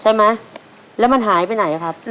ใช่ไหมแล้วมันหายไปไหนครับ